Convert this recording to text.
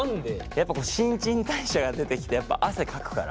やっぱ新陳代謝が出てきてやっぱ汗かくから。